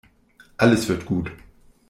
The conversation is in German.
Alles wird gut.